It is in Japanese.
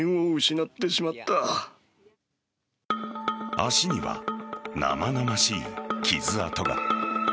足には生々しい傷痕が。